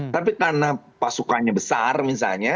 tapi karena pasukannya besar misalnya